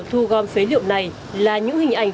thu gom phế liệu này là những hình ảnh